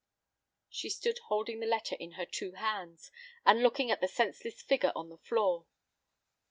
She stood holding the letter in her two hands, and looking at the senseless figure on the floor.